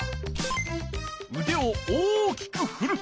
うでを大きくふる。